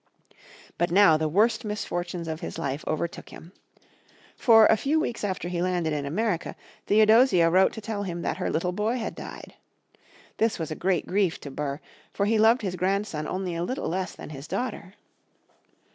But now the worst misfortunes of his life overtook him. For a few weeks after he landed in America, Theodosia wrote to tell him that her little boy had died. This was a great grief to Burr, for he loved his grandson only a little less than his daughter.